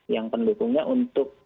yang pendukungnya untuk